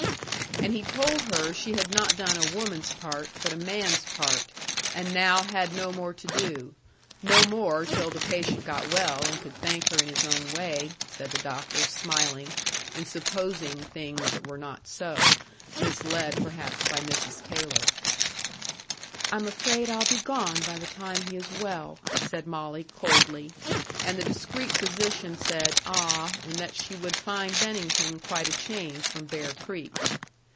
And he told her she had not done a woman's part, but a man's part, and now had no more to do; no more till the patient got well, and could thank her in his own way, said the doctor, smiling, and supposing things that were not so misled perhaps by Mrs. Taylor. "I'm afraid I'll be gone by the time he is well," said Molly, coldly; and the discreet physician said ah, and that she would find Bennington quite a change from Bear Creek.